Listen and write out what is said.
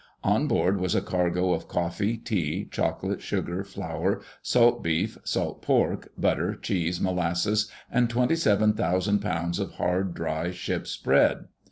On board was a cargo of coflfee, tea, chocolate, sugar, flour, salt beef, salt pork, butter, cheese, molasses, and twenty seven thousand pounds of hard, dry ship's bread.